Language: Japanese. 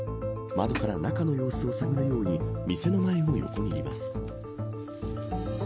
窓から中の様子を探るように店の前を横切ります。